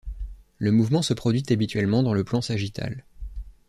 Le mouvement se produit habituellement dans le plan sagittal.